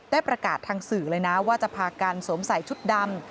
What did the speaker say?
ได้ประกาศทางสื่อเลยนะว่าจะพากันสวมใส่ชุดดำ